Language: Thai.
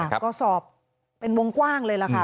ก็สอบเป็นวงกว้างเลยล่ะค่ะ